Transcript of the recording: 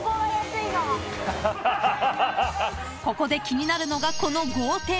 ［ここで気になるのがこの］